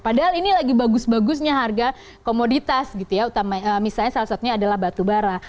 padahal ini lagi bagus bagusnya harga komoditas gitu ya misalnya salah satunya adalah batu bara